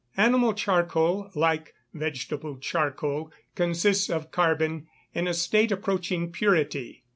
_ Animal charcoal, like vegetable charcoal, consists of carbon in a state approaching purity.